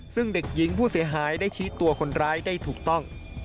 ซึ่งเด็กหญิงผู้เสียหายได้ชี้ตัวคนร้ายได้ถูกต้อง